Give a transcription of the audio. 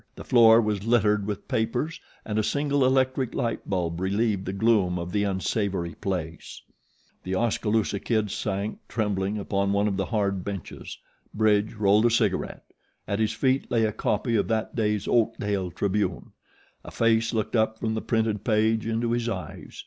The floor was littered with papers, and a single electric light bulb relieved the gloom of the unsavory place. The Oskaloosa Kid sank, trembling, upon one of the hard benches. Bridge rolled a cigaret. At his feet lay a copy of that day's Oakdale Tribune. A face looked up from the printed page into his eyes.